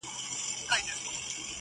اوس نه منتر کوي اثر نه په مُلا سمېږي.!